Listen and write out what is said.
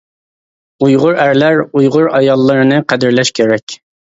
ئۇيغۇر ئەرلەر ئۇيغۇر ئاياللىرىنى قەدىرلەش كېرەك.